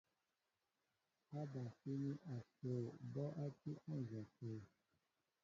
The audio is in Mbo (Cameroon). Ábasíní asoo bɔ́ á tí á nzɔkə̂.